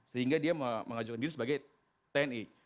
sehingga dia mengajukan diri sebagai tni